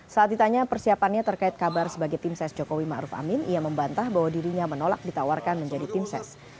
saat ditanya persiapannya terkait kabar sebagai tim ses jokowi ⁇ maruf ⁇ amin ia membantah bahwa dirinya menolak ditawarkan menjadi tim ses